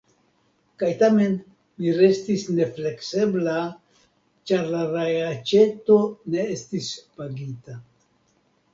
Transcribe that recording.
Kaj tamen mi restis nefleksebla, ĉar la reaĉeto ne estis pagita.